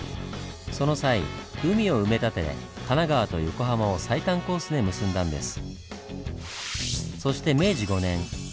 その際海を埋め立て神奈川と横浜を最短コースで結んだんです。